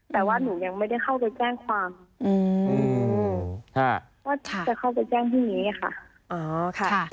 แต่ว่าหนูยังไม่ได้เข้าไปแจ้งความอืมค่ะว่าจะเข้าไปแจ้งพรุ่งนี้ค่ะอ๋อค่ะค่ะ